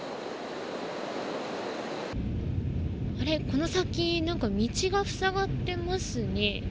この先何か道がふさがってますね。